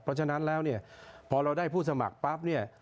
เพราะฉะนั้นแล้วเนี่ยพอเราได้ผู้สมัครปั๊บเนี่ย